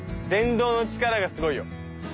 電動の力がすごいよ。